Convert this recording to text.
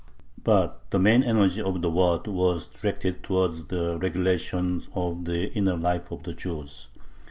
But the main energy of the Waad was directed towards the regulation of the inner life of the Jews.